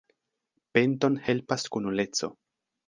Penton helpas kunuleco.